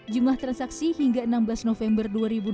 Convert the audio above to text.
jumlah transaksi hingga enam belas november dua ribu dua puluh